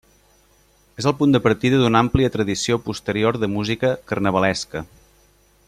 És el punt de partida d'una àmplia tradició posterior de música carnavalesca.